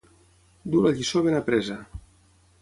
Dur la lliçó ben apresa.